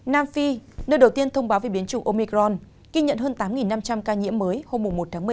nam phi nơi đầu tiên thông báo về biến chủng omicron ghi nhận hơn tám năm trăm linh ca nhiễm mới hôm